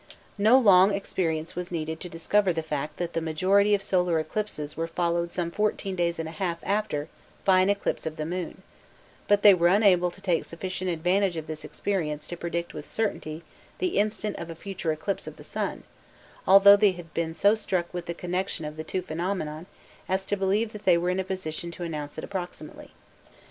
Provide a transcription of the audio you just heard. No long experience was needed to discover the fact that the majority of solar eclipses were followed some fourteen days and a half after by an eclipse of the moon; but they were unable to take sufficient advantage of this experience to predict with certainty the instant of a future eclipse of the sun, although they had been so struck with the connection of the two phenomena as to believe that they were in a position to announce it approximately.